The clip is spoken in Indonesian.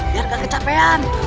biar tidak kecapean